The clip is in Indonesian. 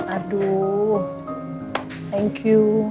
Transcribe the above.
aduh thank you